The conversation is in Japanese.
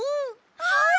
はい！